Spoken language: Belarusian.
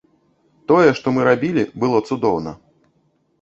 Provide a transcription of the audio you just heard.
Тое, што мы рабілі, было цудоўна.